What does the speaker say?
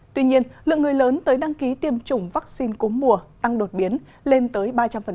tuy nhiên lượng người lớn tới đăng ký tiêm chủng vắc xin cố mùa tăng đột biến lên tới ba trăm linh